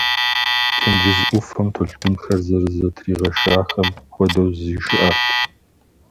Тенджыз ӏуфэм толъкъунхэр зэрызэтригъэщахэм хуэдэу зишыӏэрт.